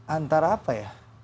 antara apa ya